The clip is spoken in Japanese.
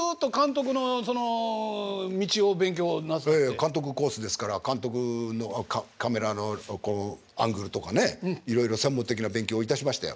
監督コースですから監督のカメラのこうアングルとかねいろいろ専門的な勉強をいたしましたよ。